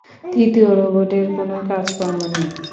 তৃতীয় রোবটের কোনাে কাজকর্ম নেই।